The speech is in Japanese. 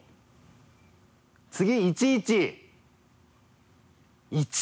次「１１」